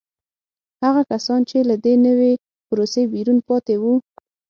هغه کسان چې له دې نوې پروسې بیرون پاتې وو